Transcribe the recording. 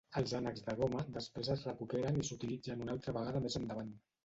Els ànecs de goma després es recuperen i s'utilitzen una altra vegada més endavant.